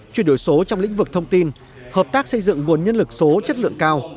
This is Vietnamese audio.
chuyển đổi số trong lĩnh vực thông tin hợp tác xây dựng nguồn nhân lực số chất lượng cao